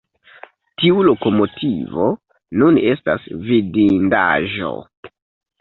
Tiu lokomotivo nun estas vidindaĵo.